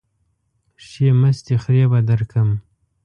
ښې مستې خرې به درکم.